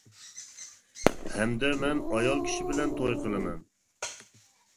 ھەمدە مەن ئايال كىشى بىلەن توي قىلىمەن.